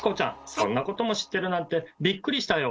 そんなことも知ってるなんてビックリしたよ。